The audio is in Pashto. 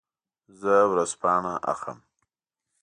زه ورځپاڼه اخلم.